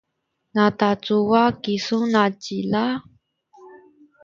natacuwa kisu nacila?